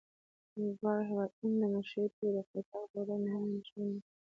دواړه هېوادونه د نشه يي توکو د قاچاق په وړاندې هم اندېښمن دي.